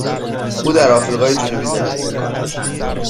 او در آفریقای جنوبی زندگی می کند.